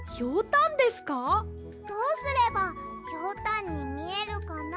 どうすればひょうたんにみえるかな？